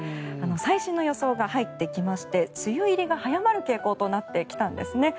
最新の予想が入ってきまして梅雨入りが早まる傾向となってきたんですね。